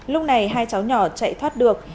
lúc này hai cháu nhỏ chạy thoát được